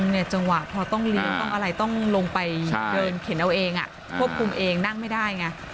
มันต้องเหลวต้องต้องลงไปผู้คุมเองนั่งไม่ได้